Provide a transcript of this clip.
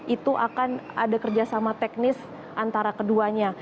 itu akan ada kerjasama teknis antara keduanya